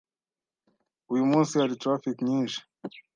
Uyu munsi hari traffic nyinshi.